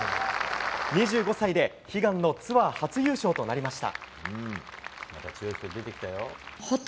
２５歳で、悲願のツアー初優勝となりました。